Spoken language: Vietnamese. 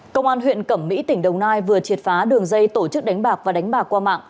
công an huyện cẩm mỹ tỉnh đồng nai vừa triệt phá đường dây tổ chức đánh bạc và đánh bạc qua mạng